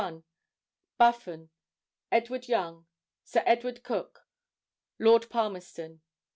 81—Buffon; Edward Young; Sir Edward Coke; Lord Palmerston.